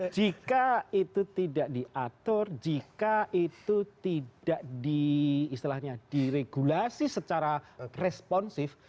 jika itu tidak diatur jika itu tidak diregulasi secara responsif